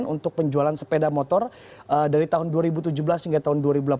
untuk penjualan sepeda motor dari tahun dua ribu tujuh belas hingga tahun dua ribu delapan belas